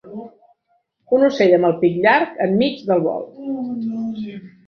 Un ocel amb el pic llarg enmig del vol.